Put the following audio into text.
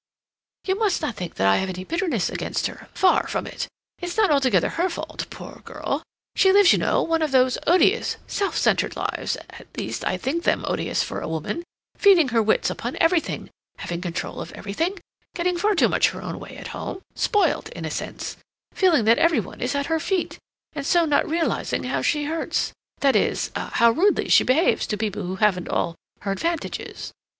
"You must not think that I have any bitterness against her—far from it. It's not altogether her fault, poor girl. She lives, you know, one of those odious, self centered lives—at least, I think them odious for a woman—feeding her wits upon everything, having control of everything, getting far too much her own way at home—spoilt, in a sense, feeling that every one is at her feet, and so not realizing how she hurts—that is, how rudely she behaves to people who haven't all her advantages.